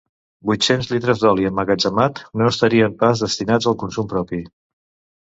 Vuit-cents litres d'oli emmagatzemat no estarien pas destinats al consum propi.